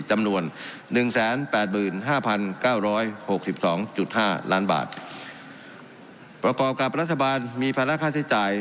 จำนวนหนึ่งแสนแปดหมื่นห้าพันเก้าร้อยหกสิบสองจุดห้าล้านบาทประกอบกับรัฐบาลมีภาระค่าใช้จ่าย